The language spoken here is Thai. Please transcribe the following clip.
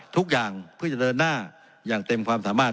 ทุกอย่างเพื่อจะเดินหน้าอย่างเต็มความสามารถ